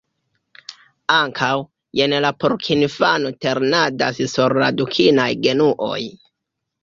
Ankaŭ, jen la porkinfano ternadas sur la dukinaj genuoj.